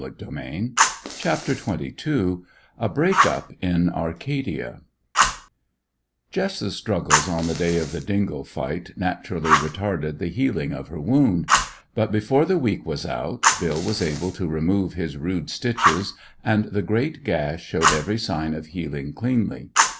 CHAPTER XXII A BREAK UP IN ARCADIA Jess's struggles on the day of the dingo fight naturally retarded the healing of her wound; but, before the week was out, Bill was able to remove his rude stitches, and the great gash showed every sign of healing cleanly.